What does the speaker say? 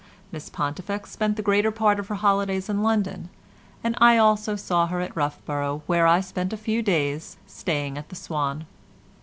Miss Pontifex spent the greater part of her holidays in London, and I also saw her at Roughborough, where I spent a few days, staying at the "Swan."